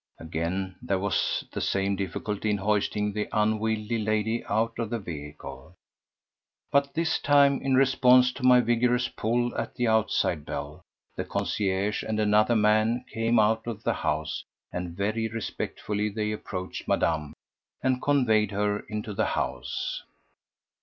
Again there was the same difficulty in hoisting the unwieldy lady out of the vehicle, but this time, in response to my vigorous pull at the outside bell, the concierge and another man came out of the house, and very respectfully they approached Madame and conveyed her into the house.